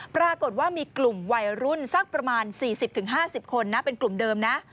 ปรากฏว่ามีกลุ่มวัยรุ่นสักประมาณ๔๐๕๐คนนะเป็นกลุ่มเดิมนะ